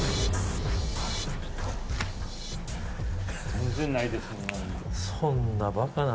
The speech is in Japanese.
全然ないです？